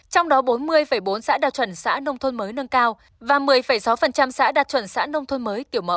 trong đó bốn mươi bốn xã đạt chuẩn xã nông thôn mới nâng cao và một mươi sáu xã đạt chuẩn xã nông thôn mới kiểu mẫu